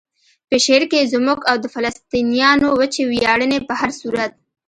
په شعر کې زموږ او د فلسطینیانو وچې ویاړنې په هر صورت.